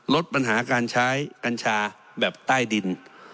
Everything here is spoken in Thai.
ลดปัญหาการใช้กัญชาแบบใต้ดิน